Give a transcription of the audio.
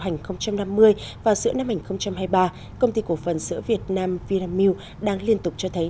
hành năm mươi vào giữa năm hai nghìn hai mươi ba công ty cổ phần sữa việt nam vinamilk đang liên tục cho thấy